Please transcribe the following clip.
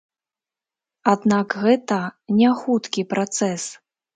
Аднак гэта няхуткі працэс.